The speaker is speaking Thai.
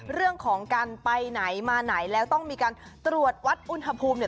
เรื่องของการไปไหนมาไหนแล้วต้องมีการตรวจวัดอุณหภูมิเนี่ย